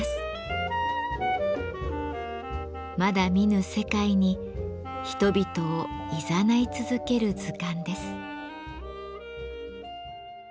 まだ見ぬ世界に人々をいざない続ける図鑑です。